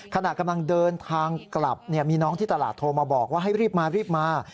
ขนาดตามเดินทางกลับมีน้องที่ตลาดโทรมาบอกให้รีบมา